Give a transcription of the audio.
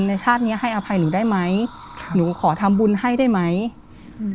ชาติเนี้ยให้อภัยหนูได้ไหมหนูขอทำบุญให้ได้ไหมอืม